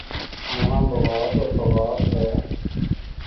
یہاں لغات اور لغات ہے۔